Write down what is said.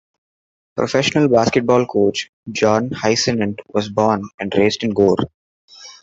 Professional basketball coach John Whisenant was born and raised in Gore.